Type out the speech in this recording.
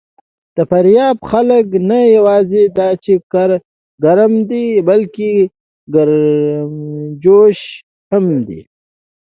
د فاریاب خلک نه یواځې دا چې ګرم دي، بلکې ګرمجوش هم دي.